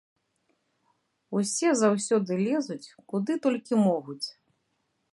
Усе заўсёды лезуць, куды толькі могуць.